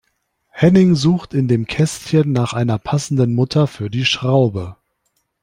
Henning sucht in dem Kästchen nach einer passenden Mutter für die Schraube.